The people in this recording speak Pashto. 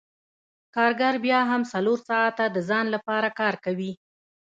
کارګر بیا هم څلور ساعته د ځان لپاره کار کوي